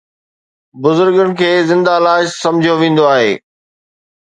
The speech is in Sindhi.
بزرگن کي زنده لاش سمجهيو ويندو آهي